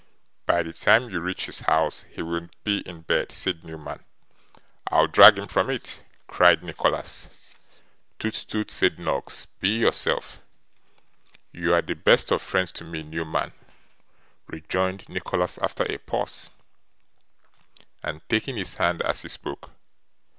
'By the time you reach his house he will be in bed,' said Newman. 'I'll drag him from it,' cried Nicholas. 'Tut, tut,' said Noggs. 'Be yourself.' 'You are the best of friends to me, Newman,' rejoined Nicholas after a pause, and taking his hand as he spoke.